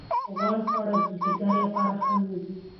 غوړ خواړه د ځیګر لپاره ښه نه دي.